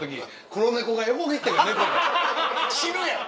死ぬやん！